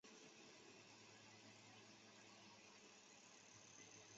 珙县芙蓉矿区是四川省重要的煤田。